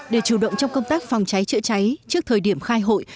để chủ động trong công tác phòng cháy chữa cháy trước thời điểm khai hội